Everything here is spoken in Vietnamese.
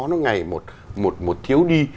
nó ngày một thiếu đi